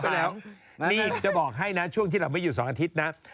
แล้วนี่จะบอกให้นะช่วงที่เราไม่อยู่๒อาทิตย์นะ